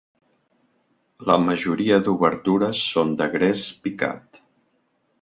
La majoria d'obertures són de gres picat.